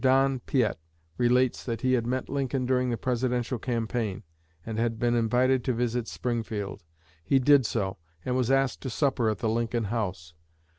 Don Piatt relates that he had met Lincoln during the Presidential campaign, and had been invited to visit Springfield. He did so, and was asked to supper at the Lincoln house.